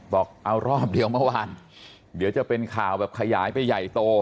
บอกเอารอบเดียวเมื่อวานเดี๋ยวจะเป็นข่าวแบบขยายไปใหญ่โต